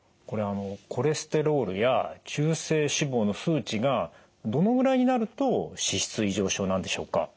これあのコレステロールや中性脂肪の数値がどのぐらいになると脂質異常症なんでしょうか？